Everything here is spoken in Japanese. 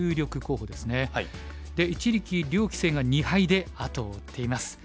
で一力遼棋聖が２敗で後を追っています。